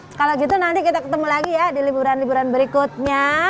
kalau gitu nanti kita ketemu lagi ya di liburan liburan berikutnya